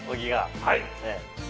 はい。